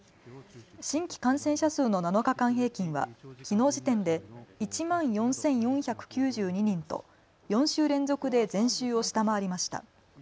新規感染者数の７日間平均はきのう時点で１万４４９２人と４週連続で前週を下回りました。